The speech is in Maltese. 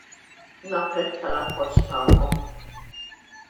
Napprezza l-appoġġ tagħkom.